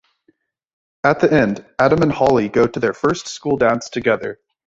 At the end, Adam and Holly go to their first school dance together.